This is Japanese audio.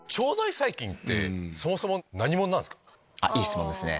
あっいい質問ですね